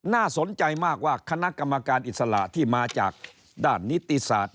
น่าสนใจมากว่าคณะกรรมการอิสระที่มาจากด้านนิติศาสตร์